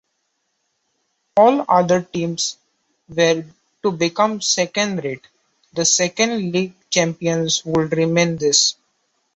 All other teams were to become second rate; the second league champions would remain this.